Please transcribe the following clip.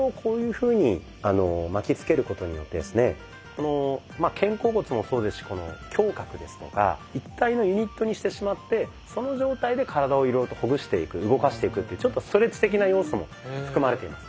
この肩甲骨もそうですし胸郭ですとか一体のユニットにしてしまってその状態で体をいろいろとほぐしていく動かしていくっていうちょっとストレッチ的な要素も含まれています。